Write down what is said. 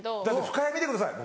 深谷見てください